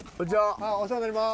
お世話になります。